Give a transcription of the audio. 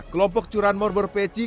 kelompok curanmor berpeci